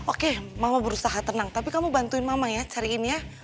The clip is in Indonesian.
oke mama berusaha tenang tapi kamu bantuin mama ya cariin ya